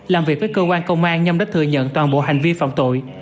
làm việc với cơ quan công an nhâm đã thừa nhận toàn bộ hành vi phạm tội